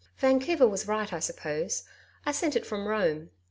Vancouver was right, I suppose. I sent it from Rome.